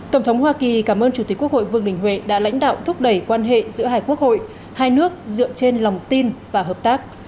tổng thống hoa kỳ cảm ơn chủ tịch quốc hội vương đình huệ đã lãnh đạo thúc đẩy quan hệ giữa hai quốc hội hai nước dựa trên lòng tin và hợp tác